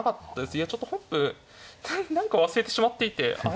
いやちょっと本譜何か忘れてしまっていて「あれ？